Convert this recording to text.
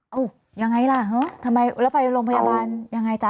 ยังไงล่ะทำไมแล้วไปโรงพยาบาลยังไงจ๊ะ